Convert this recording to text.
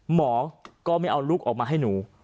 หมอก็ไม่เอาลูกออกมาให้หนู